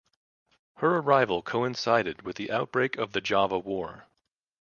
Her arrival coincided with the outbreak of the Java War.